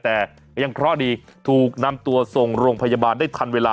แต่ยังเคราะห์ดีถูกนำตัวส่งโรงพยาบาลได้ทันเวลา